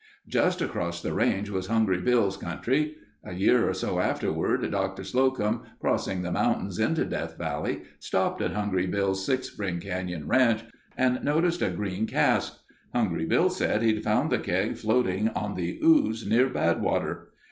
Just across the range was Hungry Bill's country. A year or so afterward Doctor Slocum, crossing the mountains into Death Valley, stopped at Hungry Bill's Six Spring Canyon Ranch and noticed a green cask. Hungry Bill said that he had found the keg floating on the ooze near Badwater.